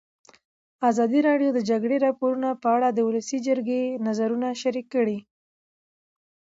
ازادي راډیو د د جګړې راپورونه په اړه د ولسي جرګې نظرونه شریک کړي.